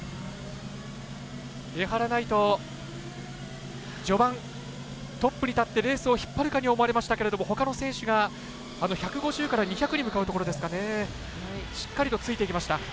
江原騎士序盤トップに立ってレースを引っ張るかと思われましたけどほかの選手が、１５０ｍから２００に向かうところでしっかりとついていきました。